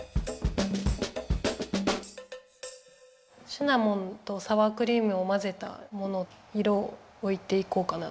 シナモンとサワークリームをまぜたもの色をおいていこうかなと。